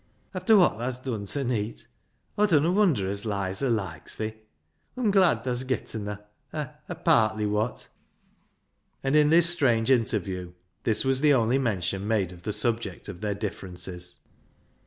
After wot tha's dun ta neet. Aw dunna wunder as Lizer loikes thi. Aw'm glad tha's getten her — a — partly wot." And in this strange interview this was the only mention made of the subject of their differences.